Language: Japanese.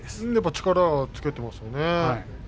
力はつけてきていますよね。